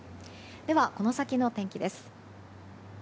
この先の天気です。